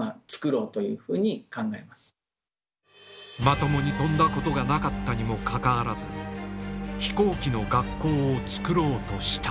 まともに飛んだことがなかったにもかかわらず飛行機の学校をつくろうとした。